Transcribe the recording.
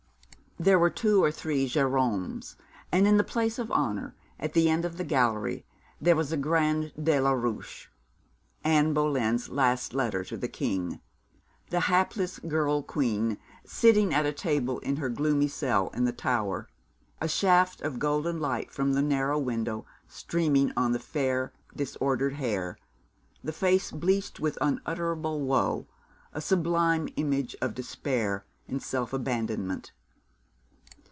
There were two or three Geromes; and in the place of honour at the end of the gallery there was a grand Delaroche, Anne Boleyn's last letter to the king, the hapless girl queen sitting at a table in her gloomy cell in the Tower, a shaft of golden light from the narrow window streaming on the fair, disordered hair, the face bleached with unutterable woe, a sublime image of despair and self abandonment.